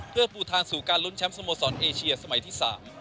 เพื่อปูทางสู่การลุ้นแชมป์สโมสรเอเชียสมัยที่๓